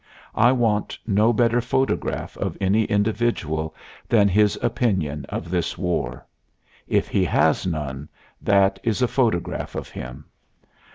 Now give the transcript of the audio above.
I want no better photograph of any individual than his opinion of this war. If he has none, that is a photograph of him.